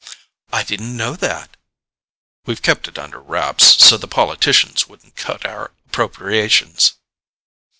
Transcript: "I didn't know that." "We've kept it under wraps, so the politicians wouldn't cut our appropriations."